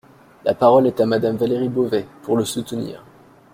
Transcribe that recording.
La parole est à Madame Valérie Beauvais, pour le soutenir.